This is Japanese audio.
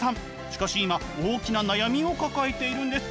しかし今大きな悩みを抱えているんです。